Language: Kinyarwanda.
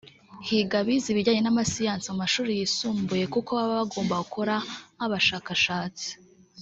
“Higa abize ibijyanye n’amasiyanse mu mashuri yisumbuye kuko baba bagomba gukora nk’ abashakashatsi